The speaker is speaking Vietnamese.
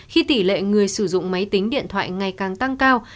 khi tỷ lệ người sử dụng máy tính điện thoại ngày càng tăng cao